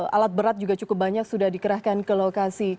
alat berat juga cukup banyak sudah dikerahkan ke lokasi